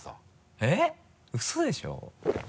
えっウソでしょ。